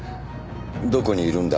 「どこにいるんだ？」